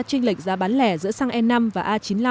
tranh lệch giá bán lẻ giữa xăng e năm và a chín mươi năm